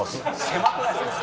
狭くないですか？